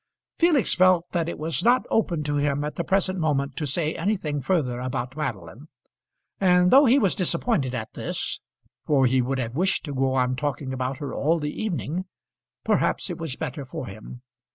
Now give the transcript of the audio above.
Felix felt that it was not open to him at the present moment to say anything further about Madeline; and though he was disappointed at this, for he would have wished to go on talking about her all the evening perhaps it was better for him.